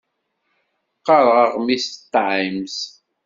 Qqaṛeɣ aɣmis "Times".